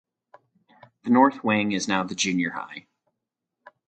The north wing is now the junior high.